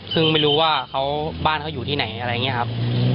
ซึ่งไม่รู้ว่าบ้านเขาอยู่ที่ไหนอะไรอย่างนี้ครับ